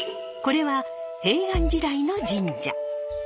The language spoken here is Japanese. これは平安時代の神社。